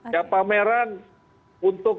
ya pameran untuk